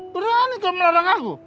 berani kau melarang aku